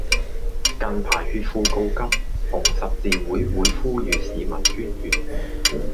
近排血庫告急，紅十字會呼籲市民捐血